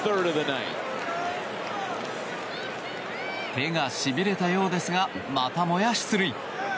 手がしびれたようですがまたもや出塁。